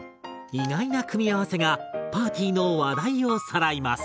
意外な組み合わせがパーティーの話題をさらいます！